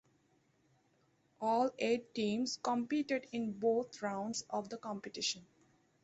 All eight teams competed in both rounds of the competition.